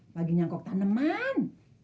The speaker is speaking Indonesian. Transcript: bagi nyangkok taneman